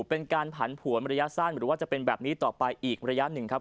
เป็นการผันผวนระยะสั้นหรือว่าจะเป็นแบบนี้ต่อไปอีกระยะหนึ่งครับ